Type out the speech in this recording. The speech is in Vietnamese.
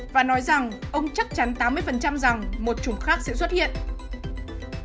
và nói rằng ông chắc chắn tám mươi rằng một chủng khác sẽ không thể thay đổi